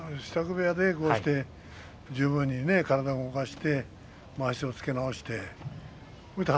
部屋でこうして十分に体を動かしてまわしをつけ直してそして